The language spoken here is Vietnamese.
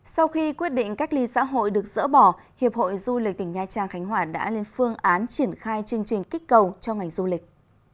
sau khi quyết định cách ly xã hội được dỡ bỏ hiệp hội du lịch tỉnh nha trang khánh hòa đã lên phương án triển khai chương trình kích cầu cho ngành du lịch